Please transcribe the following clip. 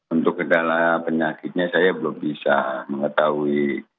untuk kedala penyakitnya saya belum bisa mengetahui